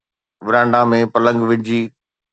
ورانڊا ۾ پلنگ وجھي